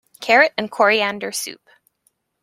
Carrot and coriander soup.